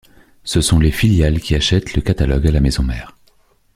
Ce sont les filiales qui achètent le catalogue à la maison mère.